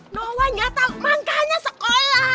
no way gak tau mangkanya sekolah